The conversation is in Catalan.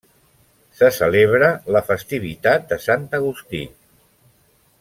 Se celebra la festivitat de Sant Agustí.